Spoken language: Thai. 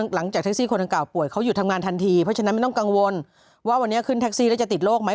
หลังจากแท็กซี่คนดังกล่าป่วยเขาหยุดทำงานทันทีเพราะฉะนั้นไม่ต้องกังวลว่าวันนี้ขึ้นแท็กซี่แล้วจะติดโรคไหม